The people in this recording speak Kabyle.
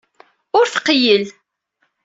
Ur tqeyyel.